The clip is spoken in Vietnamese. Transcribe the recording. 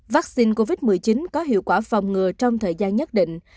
vắc xin covid một mươi chín có hiệu quả phòng ngừa trong thời gian nhất định